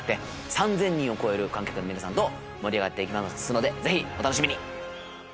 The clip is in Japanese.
３０００人を超える観客の皆さんと盛り上がっていきますのでぜひお楽しみに！